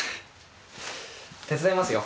手伝いますよ。